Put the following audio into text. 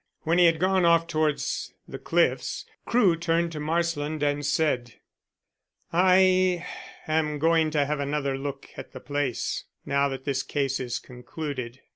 When he had gone off towards the cliffs Crewe turned to Marsland and said: "I am going to have another look at the place now that this case is concluded."